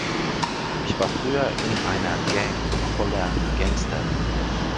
Ich war früher in einer Gang voller Gangster.